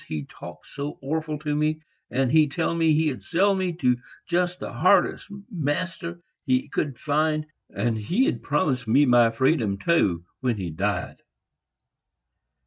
he talk so orful to me, and he tell me he'd sell me to just the hardest master he could find; and he'd promised me my freedom, too, when he died."